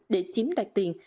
để chiếm đoạt tiền